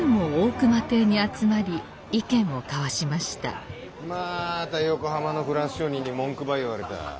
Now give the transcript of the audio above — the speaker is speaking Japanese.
まぁた横浜のフランス商人に文句ば言われた。